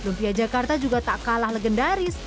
lumpia bogor juga tidak kalah legendaris